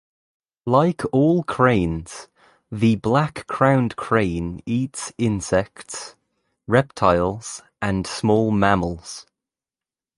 Like all cranes, the black crowned crane eats insects, reptiles, and small mammals.